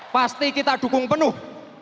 pasti kita dukung penuh